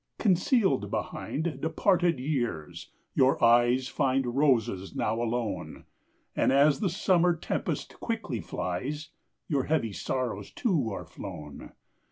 Concealed behind departed years, your eyes Find roses now alone; And, as the summer tempest quickly flies, Your heavy sorrows, too, are flown.